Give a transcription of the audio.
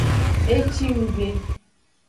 E ci nggbe.